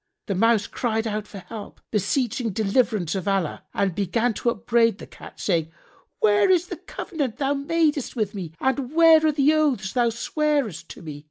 [FN#63] The Mouse cried out for help, beseeching deliverance of Allah and began to upbraid the Cat, saying, "Where is the covenant thou madest with me and where are the oaths thou swarest to me?